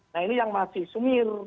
nah ini yang masih sumir